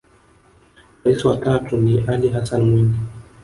Rais wa tatu ni Ally Hassan Mwinyi